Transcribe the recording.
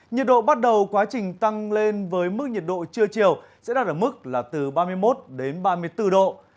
nhiệt độ bắt đầu quá trình tăng lên với mức nhiệt độ trưa chiều sẽ đạt ở mức là từ ba mươi một đến ba mươi bốn độ